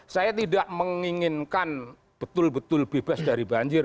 saya tidak menginginkan betul betul bebas dari banjir